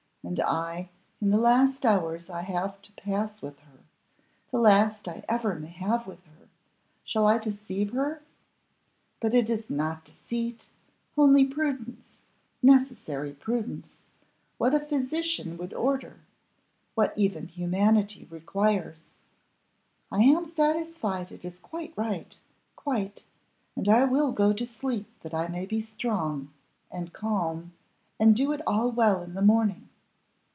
and I, in the last hours I have to pass with her the last I ever may have with her, shall I deceive her? But it is not deceit, only prudence necessary prudence; what a physician would order, what even humanity requires. I am satisfied it is quite right, quite, and I will go to sleep that I may be strong, and calm, and do it all well in the morning.